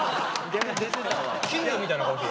金魚みたいな顔で。